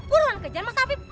kuruan kejar mas afif